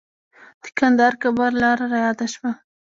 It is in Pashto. د کندهار-کابل لاره رایاده شوه.